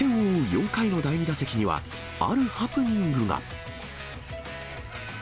４回の第２打席には、あるハプニングが。